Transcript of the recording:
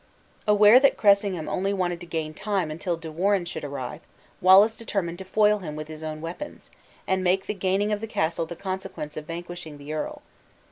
Aware that Cressingham only wanted to gain time until De Warenne should arrive, Wallace determined to foil him with his own weapons, and make the gaining of the castle the consequence of vanquishing the earl.